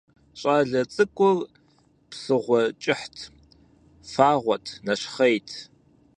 ЩӀалэ цӀыкӀур псыгъуэ кӀыхьт, фагъуэт, нэщхъейт.